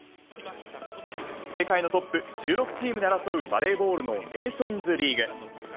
世界のトップ１６チームで争うバレーボールのネーションズリーグ。